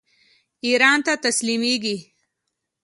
ایران ته تسلیمیږي.